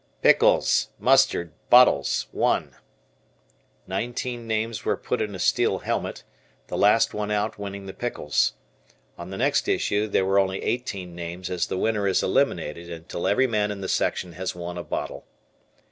"Pickles, mustard, bottles, one." Nineteen names were put in a steel helmet, the last one out winning the pickles. On the next issue there were only eighteen names, as the winner is eliminated until every man in the section has won a bottle.